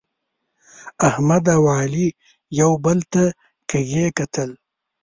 احمد او علي یو بل ته کږي کتل.